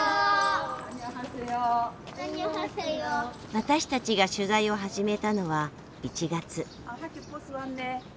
私たちが取材を始めたのは１月。